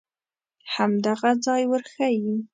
همدغه ځای ورښیې.